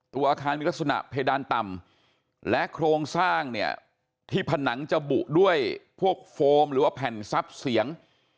ตัวอาคารมีลักษณะเพดานต่ำและโครงสร้างเนี่ยที่ผนังจะบุด้วยพวกโฟมหรือว่าแผ่นซับเสียง